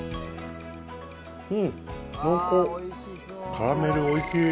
カラメルおいしい。